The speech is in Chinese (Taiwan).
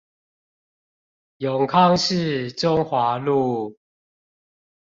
永康市中華路